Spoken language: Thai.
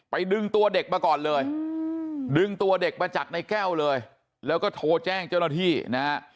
ดึงตัวเด็กมาก่อนเลยดึงตัวเด็กมาจากในแก้วเลยแล้วก็โทรแจ้งเจ้าหน้าที่นะฮะ